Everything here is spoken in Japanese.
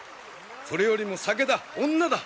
それよりも酒だ女だ！